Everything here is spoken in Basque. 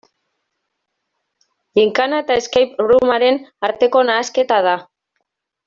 Ginkana eta escape room-aren arteko nahasketa da.